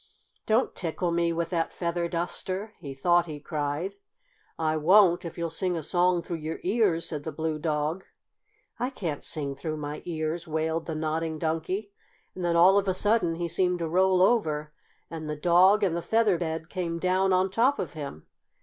"Don't tickle me with that feather duster!" he thought he cried. "I won't if you'll sing a song through your ears," said the Blue Dog. "I can't sing through my ears," wailed the Nodding Donkey, and then of a sudden he seemed to roll over and the dog and the feather bed came down on top of him.